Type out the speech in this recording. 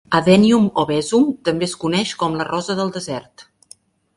"Adenium obesum" també es coneix com la rosa del desert.